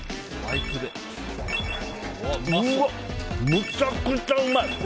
むちゃくちゃうまい！